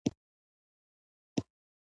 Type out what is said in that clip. یاقوت د افغانستان د طبیعي زیرمو برخه ده.